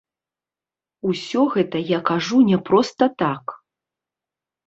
Усё гэта я кажу не проста так.